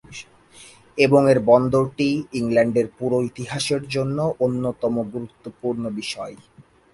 এবং এর বন্দরটি ইংল্যান্ডের পুরো ইতিহাসের জন্য অন্যতম গুরুত্বপূর্ণ বিষয়।